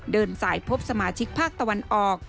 เดินสายพบสมาชิกภาคตะวันออก